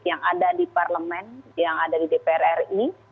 yang ada di parlemen yang ada di dpr ri